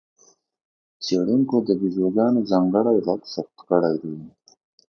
څېړونکو د بیزوګانو ځانګړی غږ ثبت کړی دی.